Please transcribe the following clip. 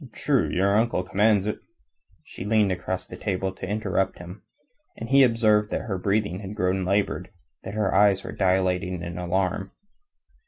True, your uncle commands it...." She leaned across the table to interrupt him, and he observed that her breathing had grown labored, that her eyes were dilating in alarm.